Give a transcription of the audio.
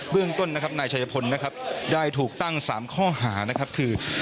เรื่องต้นนะครับนายชายพลนะครับได้ถูกตั้ง๓ข้อหานะครับคือ